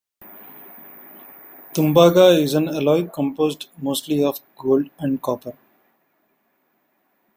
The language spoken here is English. Tumbaga is an alloy composed mostly of gold and copper.